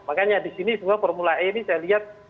makanya di sini semua formula e ini saya lihat